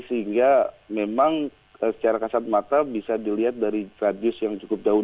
sehingga memang secara kasat mata bisa dilihat dari radius yang cukup jauh